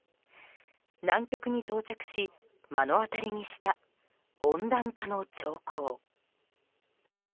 南極に到着し目の当たりにした温暖化の兆候。